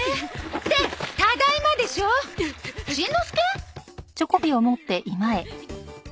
ってただいまでしょ！しんのすけ？